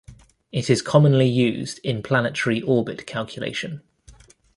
It is commonly used in planetary orbit calculation.